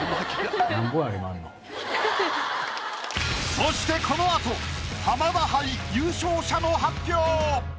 そしてこの後浜田杯優勝者の発表。